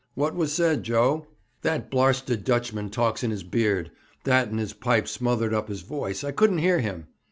What was said, Joe?' 'That blarsted Dutchman talks in his beard. That and his pipe smothered up his voice. I couldn't hear him.